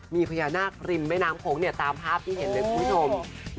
มีพญานาคริมเมนามโขงเนี่ยตามภาพที่เห็นบริษมณ์